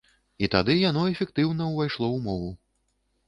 І тады яно эфектыўна ўвайшло ў мову.